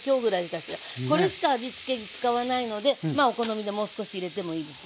これしか味つけ使わないのでお好みでもう少し入れてもいいですよ。